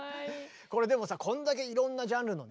でもさこんだけいろんなジャンルのね